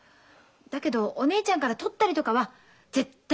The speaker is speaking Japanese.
だけどお姉ちゃんからとったりとかは絶対しない。